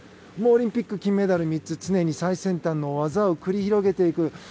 もう、オリンピック金メダル３つ常に最先端の技を繰り広げていく。